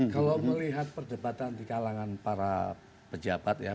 kalau melihat perdebatan di kalangan para pejabat ya